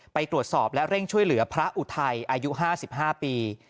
ไปตรวจสอบและเร่งช่วยเหลือพระอุทัยอายุ๕๕ปี